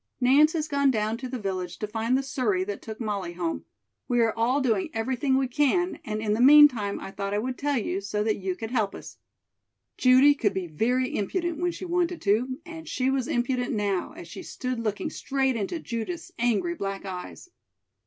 Nance has gone down to the village to find the surrey that took Molly home. We are all doing everything we can and in the meantime I thought I would tell you so that you could help us." Judy could be very impudent when she wanted to, and she was impudent now, as she stood looking straight into Judith's angry black eyes.